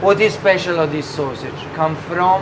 กลับกินเพียงแบบแบบรอดของครอบครัว